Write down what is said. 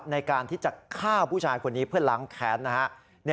ในการที่จะฆ่าผู้ชายคนนี้เพื่อนหลังแขน